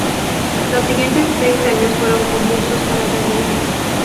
Los siguientes seis años fueron convulsos para Daniels.